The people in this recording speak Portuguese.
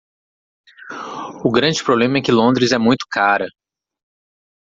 O grande problema é que Londres é muito cara.